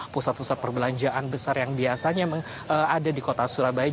pusat pusat perbelanjaan besar yang biasanya ada di kota surabaya